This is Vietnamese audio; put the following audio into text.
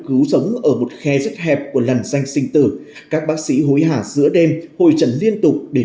cứu sống ở một khe rất hẹp của lần danh sinh tử các bác sĩ hối hả giữa đêm hội trần liên tục để